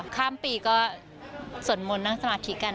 ข้ามปีก็สวดมนต์นั่งสมาธิกัน